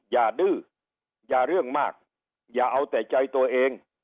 อย่าดื้ออย่าเรื่องมากอย่าเอาแต่ใจตัวเอง